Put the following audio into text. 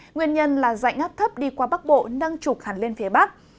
nguyên nhân là dạnh áp thấp đi qua bắc bộ nâng trục hẳn lên phía bắc